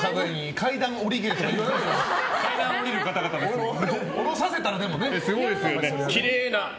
階段を下りる方々ですよね。